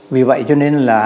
vì vậy cho nên là